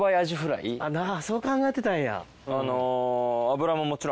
そう考えてたんや。